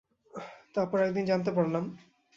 তারপর একদিন জানতে পারলাম।